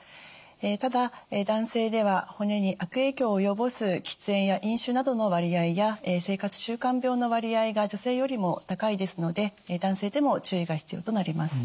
ただ男性では骨に悪影響を及ぼす喫煙や飲酒などの割合や生活習慣病の割合が女性よりも高いですので男性でも注意が必要となります。